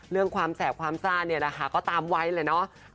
เรื่องความแสบความซ่าเนี่ยนะคะก็ตามไว้แหละเนาะ